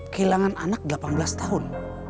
kehilangan anak delapan belas tahun